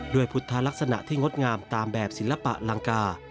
พุทธลักษณะที่งดงามตามแบบศิลปะลังกา